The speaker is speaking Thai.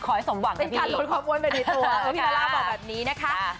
ขอให้สมหวังนะพี่พี่ลาล่าบอกแบบนี้นะคะเป็นการลดความอ้วนไปดีตัวนะคะ